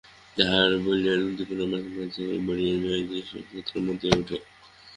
তাঁহার বলিবার উদ্দীপনা মাঝে মাঝে এত বাড়িয়া যায় যে, শ্রোতারা মাতিয়া উঠে।